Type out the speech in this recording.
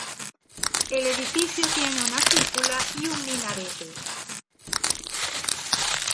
El edificio tiene una cúpula y un minarete.